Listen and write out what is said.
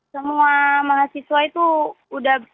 semua mahasiswa itu sudah berhenti